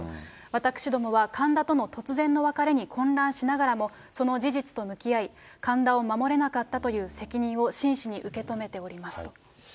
私どもは神田との突然の別れに混乱しながらも、その事実と向き合い、神田を守れなかったという責任を真摯に受け止めておりますと。